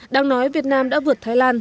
đang nói việt nam đã vượt thái lan